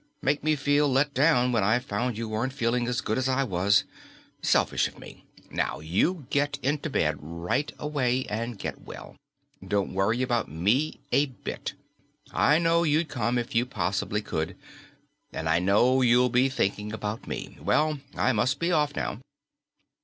Made me feel let down when I found you weren't feeling as good as I was. Selfish of me. Now you get into bed right away and get well. Don't worry about me a bit. I know you'd come if you possibly could. And I know you'll be thinking about me. Well, I must be off now."